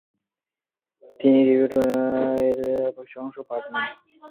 তিনি ডাভিড হিলবের্টের কিছু পাঠে অংশ নেন।